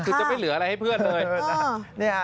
คือจะไม่เหลืออะไรให้เพื่อนเลย